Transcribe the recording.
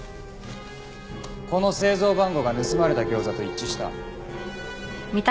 この製造番号が盗まれた餃子と一致した。